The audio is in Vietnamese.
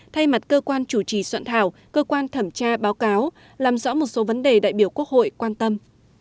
thay mặt cơ quan chủ trì soạn thảo cơ quan thẩm tra báo cáo làm rõ một số vấn đề đại biểu quốc hội quan tâm